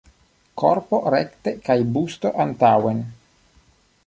Korpo rekte kaj busto antaŭen.